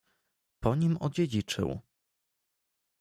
"po nim odziedziczył."